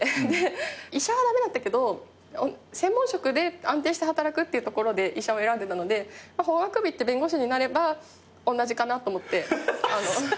医者は駄目だったけど専門職で安定して働くっていうところで医者を選んでたので法学部いって弁護士になれば同じかなと思って法学部に。